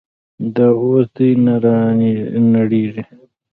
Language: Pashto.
دا اوس دې نه رانړېږي.